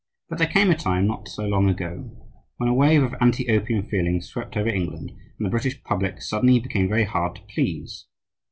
But there came a time, not so long ago, when a wave of "anti opium" feeling swept over England, and the British public suddenly became very hard to please.